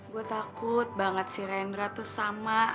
gue takut banget sih rendra tuh sama